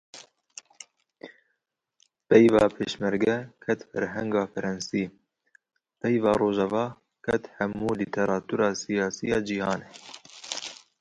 Peyva “pêşmerge” ket Ferhenga Frensî, peyva Rojava ket hemû lîteratura sîyasî ya cîhanê